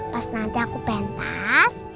pas nanti aku pentas